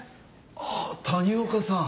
あぁ谷岡さん。